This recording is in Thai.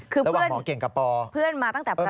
คือเพื่อนมาตั้งแต่ประถม